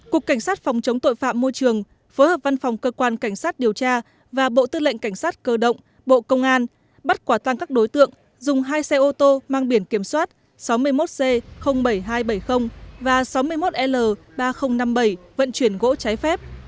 cục cảnh sát phòng chống tội phạm môi trường phối hợp văn phòng cơ quan cảnh sát điều tra và bộ tư lệnh cảnh sát cơ động bộ công an bắt quả tăng các đối tượng dùng hai xe ô tô mang biển kiểm soát sáu mươi một c bảy nghìn hai trăm bảy mươi và sáu mươi một l ba nghìn năm mươi bảy vận chuyển gỗ trái phép